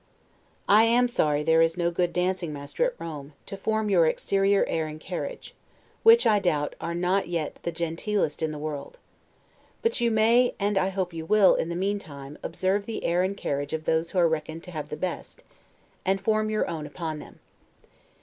I am sorry that there is no good dancing master at Rome, to form your exterior air and carriage; which, I doubt, are not yet the genteelest in the world. But you may, and I hope you will, in the meantime, observe the air and carriage of those who are reckoned to have the best, and form your own upon them.